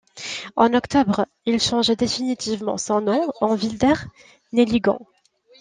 En octobre, il change définitivement son nom en Wilder-Neligan.